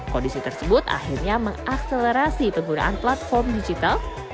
kondisi tersebut akhirnya mengakselerasi penggunaan platform digital